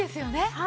はい。